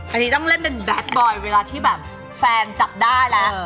อันนี้ต้องเล่นเป็นแรดบอยเวลาที่แบบแฟนจับได้แล้ว